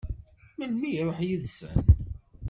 Melmi i iṛuḥ yid-sen?